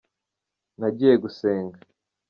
Nagiye gusenga.